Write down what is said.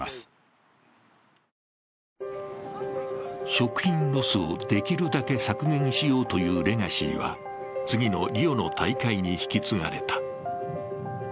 食品ロスをできるだけ削減しようというレガシーは、次のリオの大会に引き継がれた。